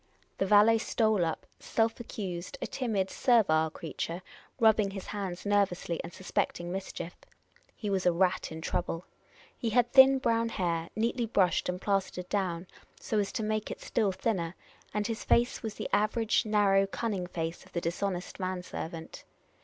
The valet stole up, self accused, a timid, servile creature, rubbing his hands nervously, and suspecting mischief. He was a rat in trouble. He had thin brown hair, neatly brushed and plastered down, so as to make it still thinner, and his face was the average narrow cunning face of the dishonest man servant.